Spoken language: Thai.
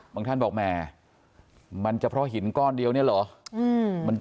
ท่านบอกแหมมันจะเพราะหินก้อนเดียวเนี่ยเหรอ